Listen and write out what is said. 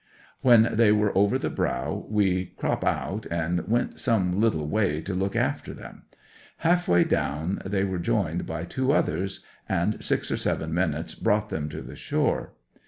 'When they were over the brow, we crope out, and went some little way to look after them. Half way down they were joined by two others, and six or seven minutes brought them to the shore.